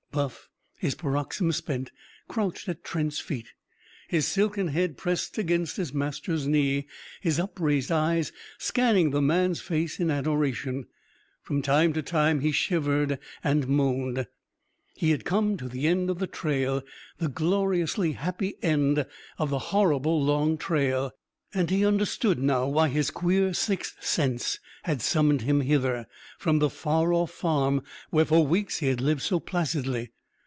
Buff, his paroxysm spent, crouched at Trent's feet, his silken head pressed against his master's knee, his upraised eyes scanning the man's face in adoration. From time to time he shivered and moaned. He had come to the end of the trail the gloriously happy end of the horrible long trail. And he understood now why his queer sixth sense had summoned him hither, from the far off farm where for weeks he had lived so placidly.